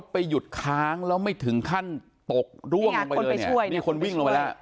ไปถึงขั้นตกล่วงลงไปนะนี่คนวิ่งลงไปแล้ว